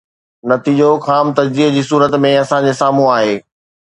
نتيجو خام تجزيي جي صورت ۾ اسان جي سامهون آهي.